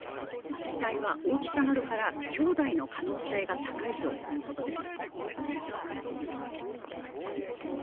遺体は、大きさなどから兄弟の可能性が高いということです。